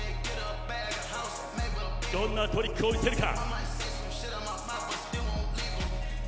どんなトリックを見せるか。